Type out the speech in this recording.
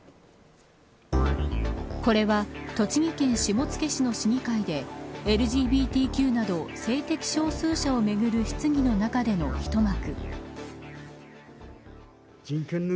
これは栃木県下野市の市議会でＬＧＢＴＱなど性的少数者をめぐる質疑の中での一幕。